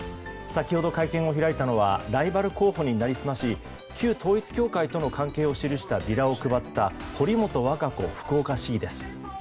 先ほど会見を開いたのはライバル候補に成り済まし旧統一教会との関係を記したビラを配った堀本和歌子福岡市議です。